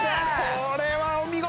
これはお見事！